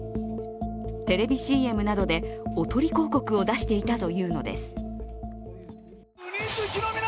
テレビＣＭなどでおとり広告を出していたというのです。